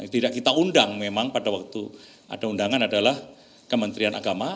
tidak kita undang memang pada waktu ada undangan adalah kementerian agama